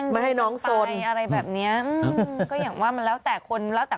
ไม่ให้น้องสนอะไรแบบเนี้ยอืมก็อย่างว่ามันแล้วแต่คนแล้วแต่